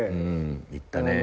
行ったね。